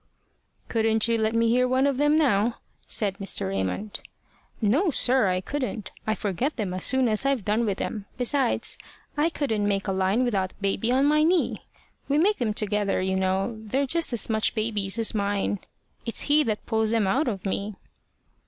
"Couldn't you let me hear one of them now?" said Mr. Raymond. "No, sir, I couldn't. I forget them as soon as I've done with them. Besides, I couldn't make a line without baby on my knee. We make them together, you know. They're just as much baby's as mine. It's he that pulls them out of me."